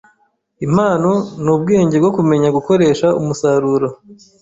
impano n’ubwenge bwo kumenya gukoresha umusaruro